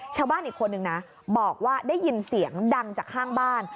ชาวบ้านอีกคนนึงนะบอกว่าได้ยินเสียงดังจากข้างบ้าน